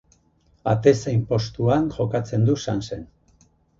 Atezain postuan jokatzen du Sansen.